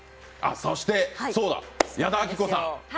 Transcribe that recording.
そして、矢田亜希子さん。